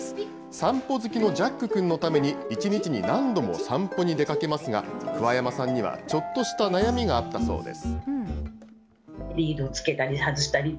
散歩好きのジャックくんのために、一日に何度も散歩に出かけますが、桑山さんにはちょっとした悩みがあったそうです。